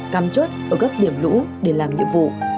cắm chốt ở các điểm lũ để làm nhiệm vụ